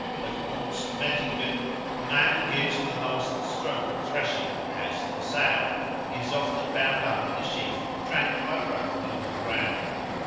At Onstmettingen the man who gives the last stroke at threshing "has the Sow"; he is often bound up in a sheaf and dragged by a rope along the ground.